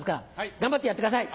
頑張ってやってください。